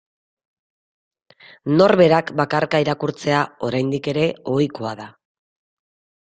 Norberak bakarka irakurtzea oraindik ere ohikoa da.